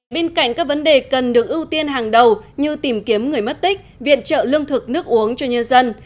bên cạnh các vấn đề cần được ưu tiên hàng đầu như tìm kiếm người mất tích viện trợ lương thực nước uống cho nhân dân